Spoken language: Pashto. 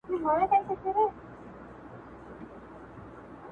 له سل رقمه اندېښنو تېرېږم